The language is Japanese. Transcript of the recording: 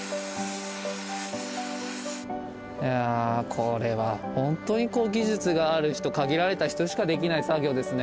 いやこれはほんとにこう技術がある人限られた人しかできない作業ですね。